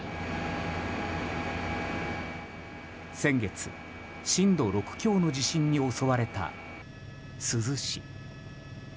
先月、震度６強の地震に襲われた珠洲市。